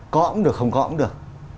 có cũng được không có cũng được